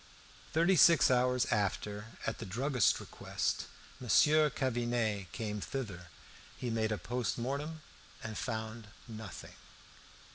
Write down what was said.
Thirty six hours after, at the druggist's request, Monsieur Canivet came thither. He made a post mortem and found nothing.